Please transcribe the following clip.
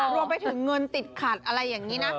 รวมไปถึงเงินติดขัดอะไรอย่างนี้นะ